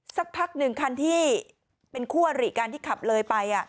สักพักหนึ่งคันที่เป็นคู่อริกันที่ขับเลยไป